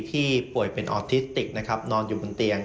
ที่เปลี่ยนเป็นออร์ติสติกนอนเหมือนเตียง